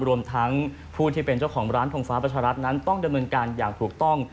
รวมทั้งผู้ที่เป็นเจ้าของร้านทงฟ้าประชารัฐนั้นต้องดำเนินการอย่างถูกต้อง